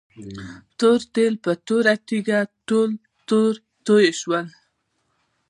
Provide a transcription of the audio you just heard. تور تیل په توره تيږه ټول توي شول.